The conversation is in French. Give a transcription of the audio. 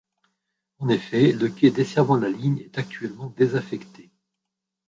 En effet le quai desservant la ligne est actuellement désaffecté.